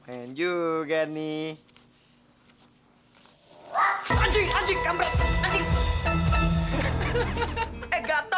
tukang cuci maknik apek ada